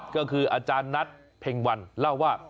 ก็คืออาจารย์นัทเพ็งวันเล่าว่า